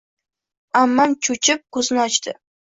Ammam chochib, ko’zini ochdi.